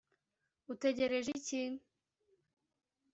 utegereje iki